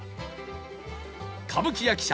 歌舞伎役者